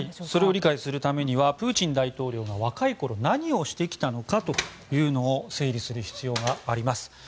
それを知るためにはプーチン大統領が若い頃、何をしてきたのかというのを整理する必要があります。